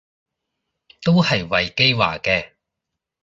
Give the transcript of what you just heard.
都係維基話嘅